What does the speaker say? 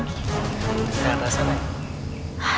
tidak ada sana